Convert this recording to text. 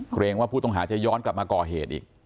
เกรงว่าผู้ต้องหาจะย้อนกลับมาก่อเหตุอีก